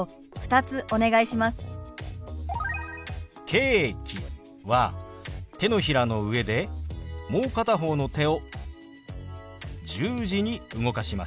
「ケーキ」は手のひらの上でもう片方の手を十字に動かします。